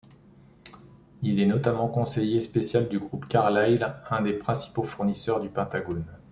Il est notamment conseiller spécial du groupe Carlyle, un des principaux fournisseurs du Pentagone.